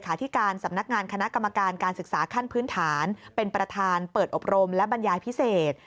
ที่การสำนักงานคณะกรรมการการศึกษาขั้นพื้นฐานเป็นประธานเปิดอบรมและบรรยายพิเศษ